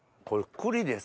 栗です。